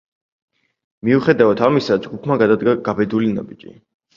მიუხედავად ამისა, ჯგუფმა გადადგა გაბედული ნაბიჯი.